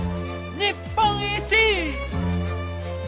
日本一！